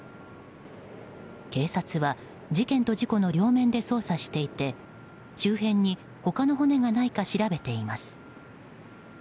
警察は、事件と事故の両面で捜査していて周辺に、他の骨がないか調べています。